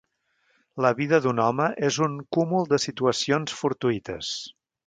La vida d'un home és un cúmul de situacions fortuïtes.